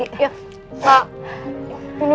ini utuh saya ya